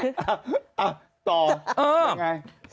อ่ะต่อยังไง